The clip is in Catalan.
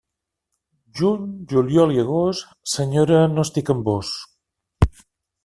Juny, juliol i agost, senyora, no estic amb vós.